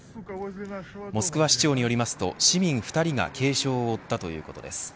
モスクワ市長によりますと市民２人が軽症を負ったということです。